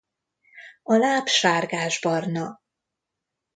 A láb sárgásbarna.